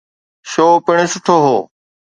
Show پڻ سٺو هو.